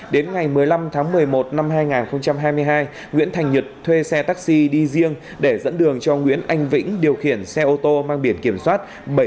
đến ngày một mươi năm tháng một mươi một năm hai nghìn hai mươi hai nguyễn thành nhật thuê xe taxi đi riêng để dẫn đường cho nguyễn anh vĩnh điều khiển xe ô tô mang biển kiểm soát